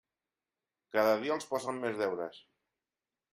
Cada dia els posen més deures.